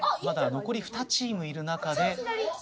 まだ残り２チームいる中で。